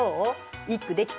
一句できた？